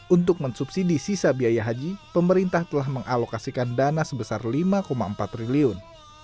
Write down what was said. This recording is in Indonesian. untuk mensubsidi sisa biaya haji pemerintah telah mengalokasikan dana sebesar lima empat triliun